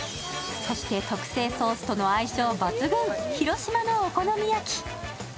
そして特製ソースとの相性抜群、広島のお好み焼き。